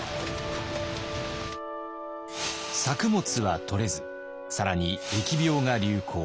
作物はとれず更に疫病が流行。